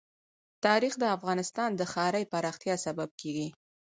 تاریخ د افغانستان د ښاري پراختیا سبب کېږي.